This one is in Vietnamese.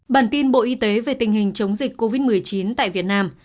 bản tin bộ y tế về tình hình chống dịch covid một mươi chín tại việt nam